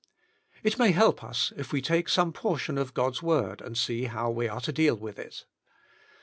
It may help us if we take some portion of God's Word and see how we are to deal with it.